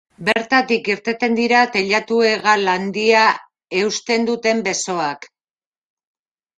Bertatik irteten dira teilatu-hegal handia eusten duten besoak.